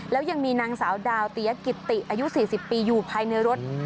แล้วยังมีนางสาวดาวเตียกิตติอายุ๔๐ปีอยู่ภายในรถ